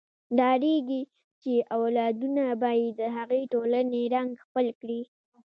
ډارېږي چې اولادونه به یې د هغې ټولنې رنګ خپل کړي.